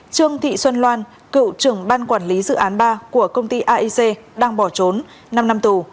trương thị xuân loan cựu trưởng ban quản lý dự án ba của công ty aic đang bỏ trốn năm năm tù